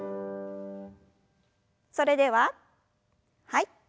それでははい。